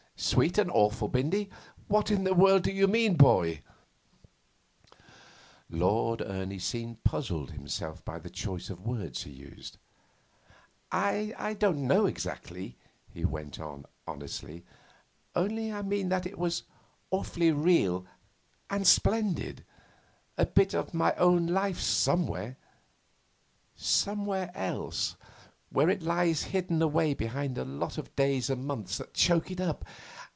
'Sweet and awful, Bindy! What in the world do you mean, boy?' Lord Ernie seemed puzzled himself by the choice of words he used. 'I don't know exactly,' he went on honestly, 'only I mean that it was awfully real and splendid, a bit of my own life somewhere somewhere else where it lies hidden away behind a lot of days and months that choke it up.